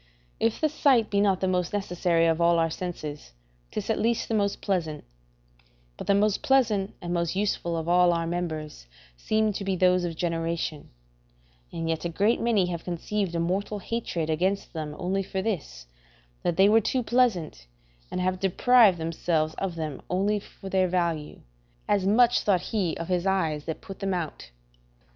If the sight be not the most necessary of all our senses, 'tis at least the most pleasant; but the most pleasant and most useful of all our members seem to be those of generation; and yet a great many have conceived a mortal hatred against them only for this, that they were too pleasant, and have deprived themselves of them only for their value: as much thought he of his eyes that put them out.